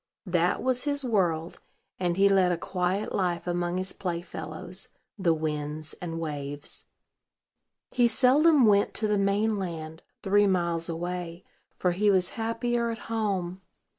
That was his world; and he led a quiet life among his playfellows, the winds and waves. He seldom went to the main land, three miles away; for he was happier at home.